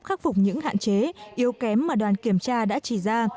khắc phục những hạn chế yếu kém mà đoàn kiểm tra đã chỉ ra